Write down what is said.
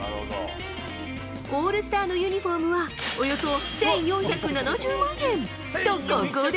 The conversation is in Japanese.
オールスターのユニホームはおよそ１４７０万円。